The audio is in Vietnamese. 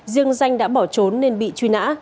riêng danh đã bỏ trốn nên bị truy nã